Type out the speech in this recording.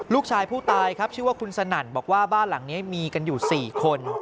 ลูกชายผู้ตายครับชื่อว่าคุณสนั่นบอกว่าบ้านหลังนี้มีกันอยู่๔คน